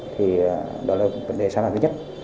thì đó là vấn đề sáng tạo thứ nhất